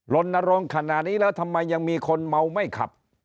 รณรงค์ขนาดนี้แล้วทำไมยังมีคนเมาไม่ขับ